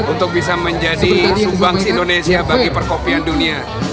untuk bisa menjadi sumbangsi indonesia bagi perkopian dunia